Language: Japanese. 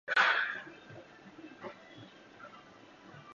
今度のデートは、シルバー人材サポートセンターに行こう。